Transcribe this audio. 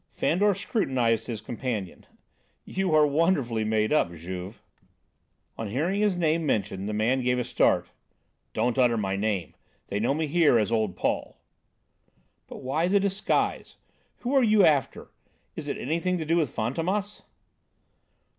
Fandor scrutinised his companion. "You are wonderfully made up, Juve." On hearing his name mentioned, the man gave a start. "Don't utter my name! They know me here as old Paul." "But why the disguise? Who are you after? Is it anything to do with Fantômas?"